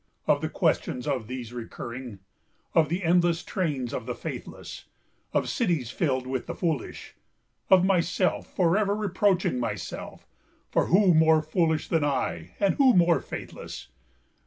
of the questions of these recurring, Of the endless trains of the faithless, of cities fill'd with the foolish, Of myself forever reproaching myself, (for who more foolish than I, and who more faithless?)